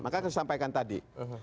maka saya sampaikan tadi